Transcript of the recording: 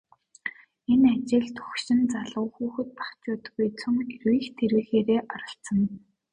Энэ ажилд хөгшин залуу, хүүхэд багачуудгүй цөм эрвийх дэрвийхээрээ оролцоно.